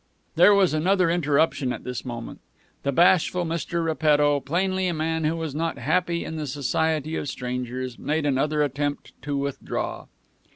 There was another interruption at this moment. The bashful Mr. Repetto, plainly a man who was not happy in the society of strangers, made another attempt to withdraw.